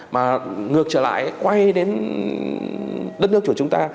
mà ngược trở lại quay đến đất nước của chúng ta